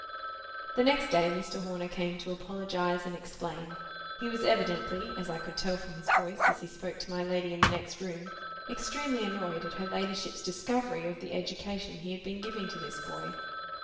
The next day Mr. Horner came to apologize and explain. He was evidently—as I could tell from his voice, as he spoke to my lady in the next room—extremely annoyed at her ladyship's discovery of the education he had been giving to this boy.